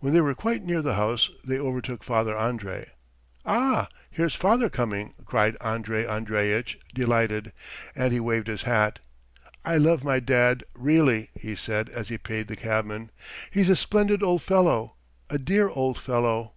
When they were quite near the house they overtook Father Andrey. "Ah, here's father coming," cried Andrey Andreitch, delighted, and he waved his hat. "I love my dad really," he said as he paid the cabman. "He's a splendid old fellow, a dear old fellow."